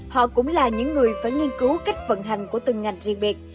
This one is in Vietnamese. họ cũng là những người phải nghiên cứu cách vận hành của từng ngành riêng biệt